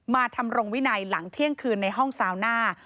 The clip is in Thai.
ทำรงวินัยหลังเที่ยงคืนในห้องซาวน่า